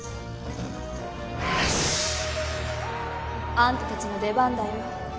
アンタたちの出番だよ。